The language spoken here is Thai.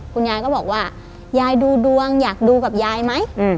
คุณยายก็บอกว่ายายดูดวงอยากดูกับยายไหม